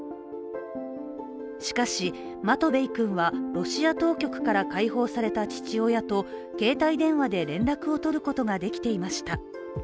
しかし、マトベイ君はロシア当局から解放された父親と携帯電話で連絡を取ることができていました。